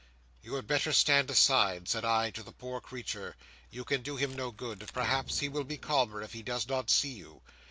"You had better stand aside," said I to the poor creature. "You can do him no good. Perhaps he will be calmer, if he does not see you."